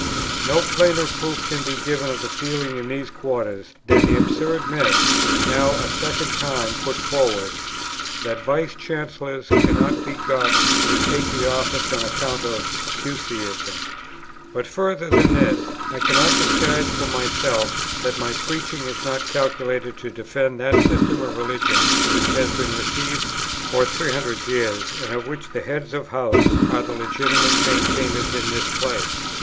No plainer proof can be given of the feeling in these quarters, than the absurd myth, now a second time put forward, 'that Vice Chancellors cannot be got to take the office on account of Puseyism.' "But further than this, I cannot disguise from myself that my preaching is not calculated to defend that system of religion which has been received for 300 years, and of which the Heads of Houses are the legitimate maintainers in this place.